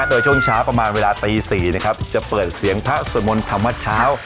โดยช่วงเช้าประมาณเวลาตี๔จะเปิดเสียงพระสวดมนต์ธรรมชาว